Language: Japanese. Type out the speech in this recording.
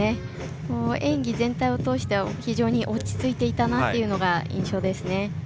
演技全体を通して非常に落ち着いていたなというのが印象ですね。